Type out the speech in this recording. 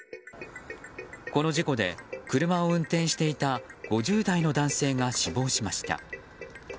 この事故で車を運転していた５０代の男性が死亡しました。